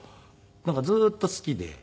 なんかずっと好きで。